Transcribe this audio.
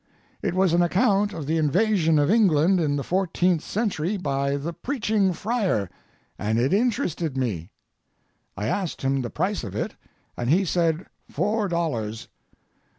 It was an account of the invasion of England in the fourteenth century by the Preaching Friar, and it interested me. I asked him the price of it, and he said four dollars.